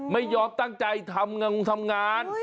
ไม่ยอมตั้งใจทำงาน